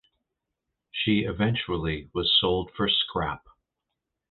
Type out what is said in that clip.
She eventually was sold for scrap.